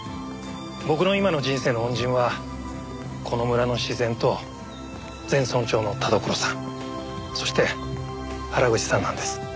僕の今の人生の恩人はこの村の自然と前村長の田所さんそして原口さんなんです。